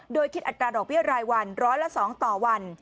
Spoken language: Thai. โดยคิดอัตราดอกเบี้ยรายวันร้อยละ๒ต่อวัน